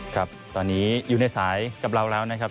ครับตอนนี้อยู่ในสายกับเราแล้วนะครับ